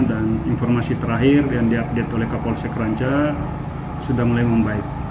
dan informasi terakhir yang diupdate oleh kapolosek ranca sudah mulai membaik